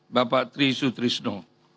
bapak tri sutrisno